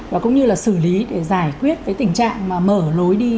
và cũng như là xử lý để giải quyết cái tình trạng mà mở lối đi tự phát